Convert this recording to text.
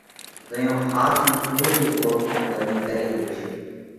زئيون ۿاس ان ڪُوڙ رئِي اوۯکوڻ تمي ڪري هيڪشو